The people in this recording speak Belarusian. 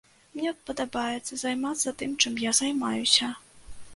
Мне падабаецца займацца тым, чым я займаюся.